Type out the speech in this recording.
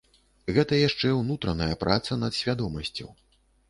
Гэта яшчэ ўнутраная праца над свядомасцю.